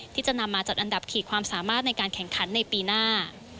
ที่จะนำมาจัดอันดับขีดความสามารถในการแข่งขันในปีหน้า